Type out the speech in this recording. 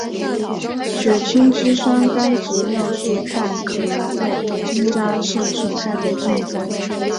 血清肌酸酐及尿素氮可能会增加肾损害的进展。